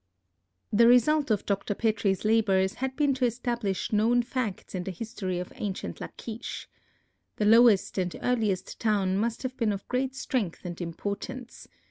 The result of Dr. Petrie's labors had been to establish known facts in the history of ancient Lachish. The lowest and earliest town must have been of great strength and importance.